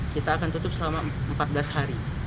kita akan tutup selama empat belas hari